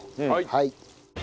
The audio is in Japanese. はい。